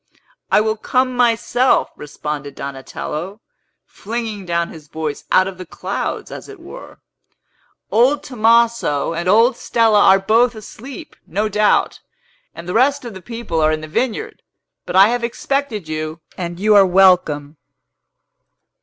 "I will come myself," responded Donatello, flinging down his voice out of the clouds, as it were; "old Tomaso and old Stella are both asleep, no doubt, and the rest of the people are in the vineyard. But I have expected you, and you are welcome!"